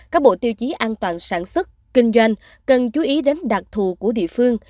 các bộ tiêu chí an toàn sản xuất kinh doanh cần chú ý đến đặc thù của địa phương